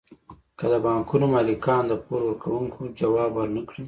که د بانکونو مالکان د پور ورکوونکو ځواب ورنکړي